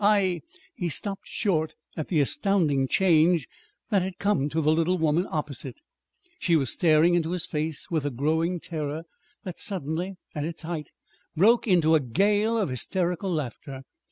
I " He stopped short at the astounding change that had come to the little woman opposite. She was staring into his face with a growing terror that suddenly, at its height, broke into a gale of hysterical laughter.